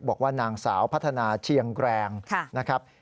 บอกว่านางสาวพัฒนาเชียงแกรงนะครับ